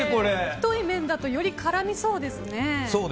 太い麺だとより絡みそうですね。